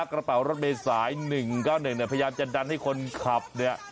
กระเป๋ารถเมษาย๑๙๑เนี่ยพยายามจะดันให้คนขับเนี่ย